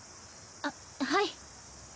あっはい。